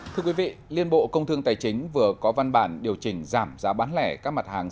thưa quý vị liên bộ công thương tài chính vừa có văn bản điều chỉnh giảm giá bán lẻ các mặt hàng